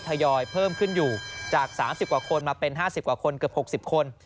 ยอยเพิ่มขึ้นอยู่จาก๓๐กว่าคนมาเป็น๕๐กว่าคนเกือบ๖๐คน